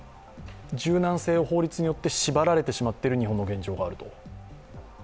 柔軟性を法律によって縛られてしまっている日本の現状があると？